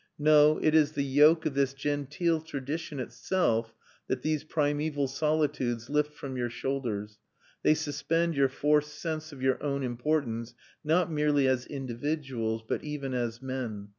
No; it is the yoke of this genteel tradition itself that these primeval solitudes lift from your shoulders. They suspend your forced sense of your own importance not merely as individuals, but even as men.